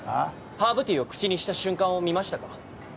ハーブティーを口にした瞬間を見ましたか？